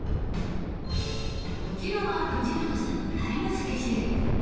こちらは藤本さんのタイムスケジュール。